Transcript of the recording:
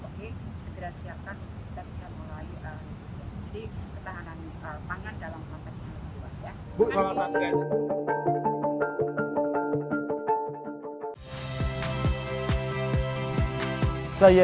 oke segera siapkan kita bisa mulai negosiasi